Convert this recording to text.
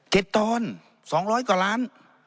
ตอนสองร้อยกว่าล้าน